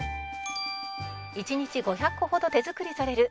「１日５００個ほど手作りされる